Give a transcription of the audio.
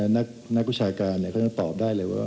นักกุศาการเนี่ยเขาตอบได้เลยว่า